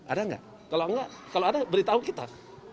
ada nggak kalau enggak kalau ada beritahu kita